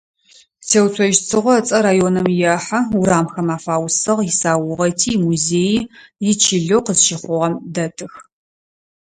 Теуцожь Цыгъо ыцӀэ районым ехьы, урамхэм афаусыгъ, исаугъэти, имузеий ичылэу къызщыхъугъэм дэтых.